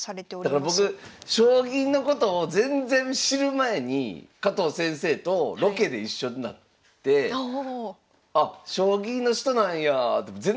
だから僕将棋のことを全然知る前に加藤先生とロケで一緒になってあっ将棋の人なんやって全然知らんから。